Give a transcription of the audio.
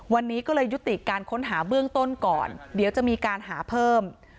วันนี้ก็เลยยุติการค้นหาเบื้องต้นก่อนเดี๋ยวจะมีการหาเพิ่ม